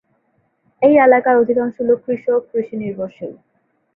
এই এলাকার অধিকাংশ লোক কৃষক, কৃষি নির্বরশীল।